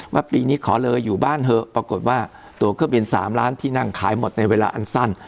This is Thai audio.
ว่าปีนี้ขอเลยอยู่บ้านเถอะปรากฏว่าตัวเครื่องบิน๓ล้านที่นั่งขายหมดในเวลาอันสั้น